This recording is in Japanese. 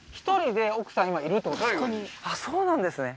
あっそうなんですね